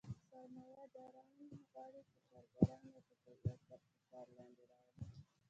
سرمایه داران غواړي چې کارګران وټکوي او تر فشار لاندې راولي